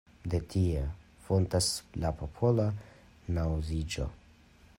De tie fontas la popola naŭziĝo.